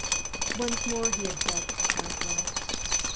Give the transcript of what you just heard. ' Once more he had judged quite right.